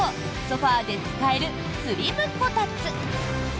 ソファで使えるスリムこたつ。